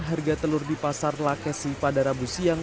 harga telur di pasar lakesi pada rabu siang